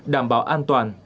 đảm bảo an toàn